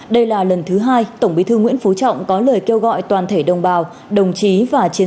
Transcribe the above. đây là lần thứ hai tổng bí thư nguyễn phú trọng có lời kêu gọi toàn thể đồng bào đồng chí và chiến